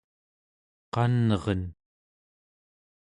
qanren